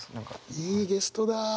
いいゲストだあ。